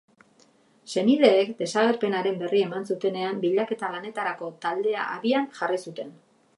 Senideek desagerpenaren berri eman zutenean bilaketa lanetarako taldea abian jarri zuten.